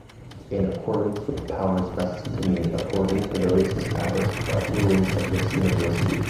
In accordance with the powers vested to me according to those established by the rules of this university.